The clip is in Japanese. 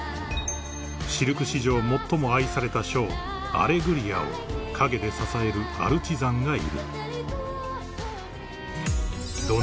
［シルク史上最も愛されたショー『アレグリア』を陰で支えるアルチザンがいる］